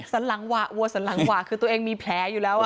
สันหลังหวะวัวสันหลังหวะคือตัวเองมีแผลอยู่แล้ว